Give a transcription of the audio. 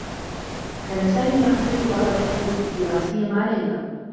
كان سامي يحضر بعض الحصص الدّراسيّة مع ليلى.